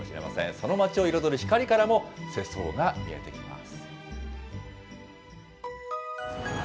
その街を彩る光からも、世相が見えてきます。